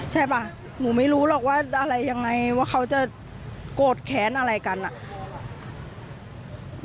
ใช่ป่ะหนูไม่รู้หรอกว่าอะไรยังไงว่าเขาจะโกรธแค้นอะไรกันอ่ะ